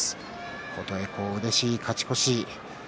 琴恵光、うれしい勝ち越し。